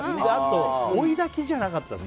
追い炊きじゃなかったんです。